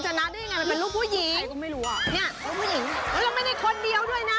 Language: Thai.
ใส่อะไรก็ไม่ได้พูดมาเนี่ยแล้ว